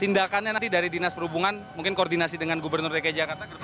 tindakannya nanti dari dinas perhubungan mungkin koordinasi dengan gubernur dki jakarta